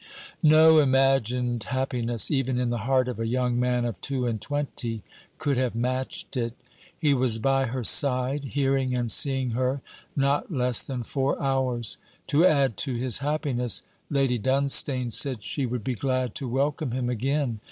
No imagined happiness, even in the heart of a young man of two and twenty, could have matched it. He was by her side, hearing and seeing her, not less than four hours. To add to his happiness, Lady Dunstane said she would be glad to welcome him again.